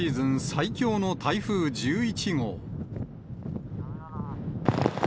最強の台風１１号。